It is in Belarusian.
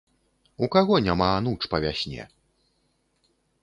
У каго няма ануч па вясне?